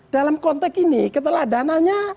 dalam konteks ini keteladanannya